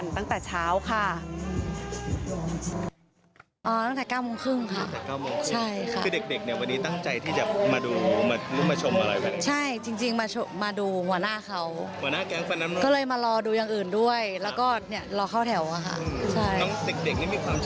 น้องสิกเด็กนี่มีความชื่นชอบเพลง